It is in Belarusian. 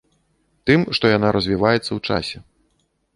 Тым, што яна развіваецца ў часе.